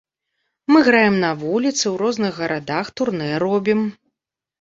Мы граем на вуліцы, у розных гарадах турнэ робім.